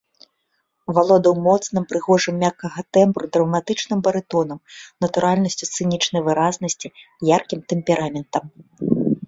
Валодаў моцным прыгожым мяккага тэмбру драматычным барытонам, натуральнасцю сцэнічнай выразнасці, яркім тэмпераментам.